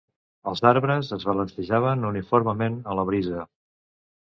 Els arbres es balancejaven uniformement a la brisa.